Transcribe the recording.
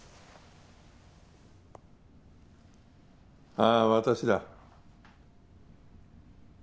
あぁ私だ。